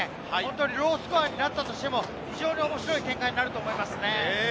ロースコアになったとしても、非常に面白い展開になると思います。